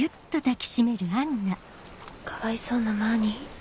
かわいそうなマーニー。